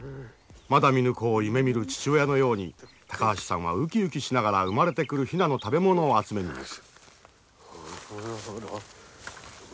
まだ見ぬ子を夢みる父親のように高橋さんはうきうきしながら生まれてくるヒナの食べ物を集めに行く。